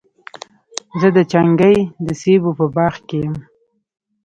زه د چنګۍ د سېبو په باغ کي یم.